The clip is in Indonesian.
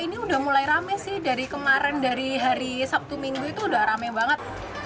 ini udah mulai rame sih dari kemarin dari hari sabtu minggu itu udah rame banget